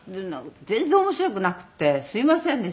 全然面白くなくってすいませんでした。